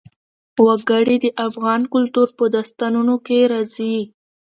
وګړي د افغان کلتور په داستانونو کې راځي.